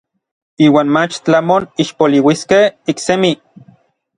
Iuan mach tlamon ixpoliuiskej iksemi.